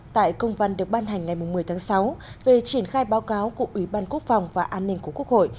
tại công văn được ban hành ngày một mươi tháng sáu về triển khai báo cáo của ủy ban quốc phòng và an ninh của quốc hội